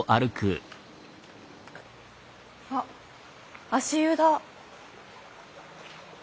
あ足湯だ。